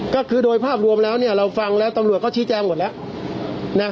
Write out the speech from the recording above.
ก็คือโดยภาพรวมแล้วเนี่ยเราฟังแล้วตำรวจก็ชี้แจงหมดแล้ว